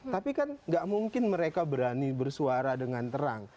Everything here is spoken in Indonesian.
tapi kan gak mungkin mereka berani bersuara dengan terang